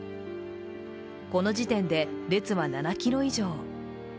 この時点で列は７ｋｍ以上。